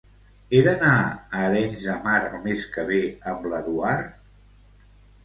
He d'anar a Arenys de Mar el mes que ve amb l'Eduard?